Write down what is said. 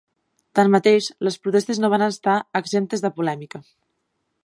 Tanmateix, les protestes no van estar exemptes de polèmica.